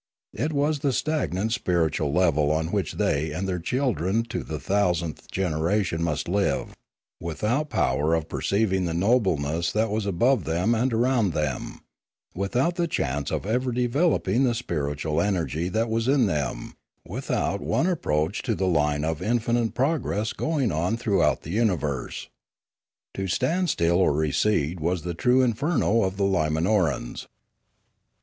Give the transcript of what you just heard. It was the stagnant spiritual level on which they and their children to the thou sandth generation must live, without power of per ceiving the nobleness that was above them and around them, without the chance of ever developing the spiritual energy that was in them, without one ap proach to the line of infinite progress going on through out the universe. To stand still or recede was the true inferno of the Limanorans.